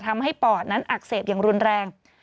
ปอดนั้นอักเสบอย่างรุนแรง